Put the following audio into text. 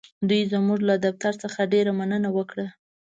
دوی زموږ له دفتر څخه ډېره مننه وکړه.